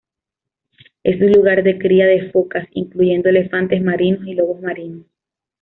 Es un lugar de cría de focas, incluyendo elefantes marinos y lobos marinos.